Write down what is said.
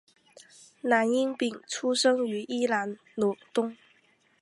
蓝荫鼎出生于宜兰罗东